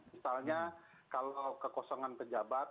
misalnya kalau kekosongan pejabat